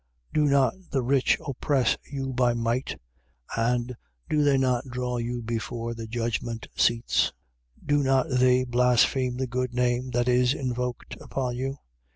Do not the rich oppress you by might? And do not they draw you before the judgment seats? 2:7. Do not they blaspheme the good name that is invoked upon you?